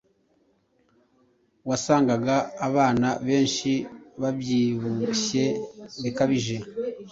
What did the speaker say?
wasangaga abana benshi babyibushye bikabije.